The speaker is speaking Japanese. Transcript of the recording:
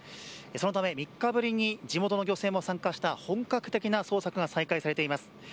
そのため３日ぶりに地元の漁船も参加した本格的な捜索が再開されています。